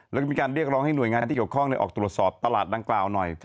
แล้วก็มีการเรียกร้องให้หน่วยงานที่เกี่ยวข้องออกตรวจสอบตลาดดังกล่าวหน่อย